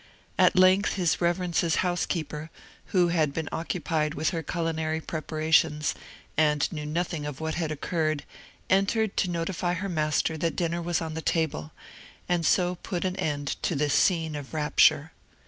At length his reverence's housekeeper, who had been occupied with her culinary preparations, and knew nothing of what had occurred, entered to notify to her master that dinner was on the table, and so put an end to this scene of rapture.